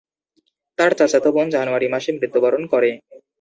তার চাচাতো বোন জানুয়ারি মাসে মৃত্যুবরণ করে।